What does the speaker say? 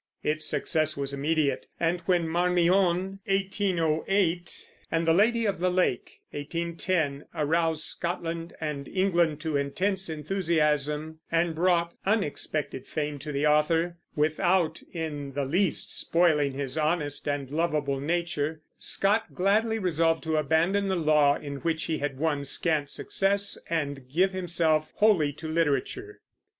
Its success was immediate, and when Marmion (1808) and The Lady of the Lake (1810) aroused Scotland and England to intense enthusiasm, and brought unexpected fame to the author, without in the least spoiling his honest and lovable nature, Scott gladly resolved to abandon the law, in which he had won scant success, and give himself wholly to literature.